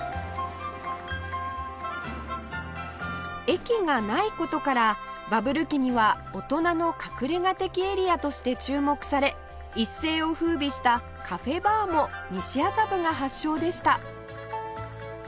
駅がない事からバブル期には大人の隠れ家的エリアとして注目され一世を風靡したカフェバーも西麻布が発祥でした